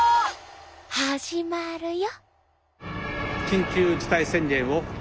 始まるよ！